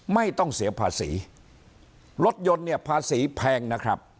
ไม่ต้องเสียภาษีรถยนต์เนี่ยภาษีแพงนะครับ